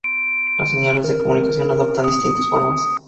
Las señales de comunicación adoptan distintas formas.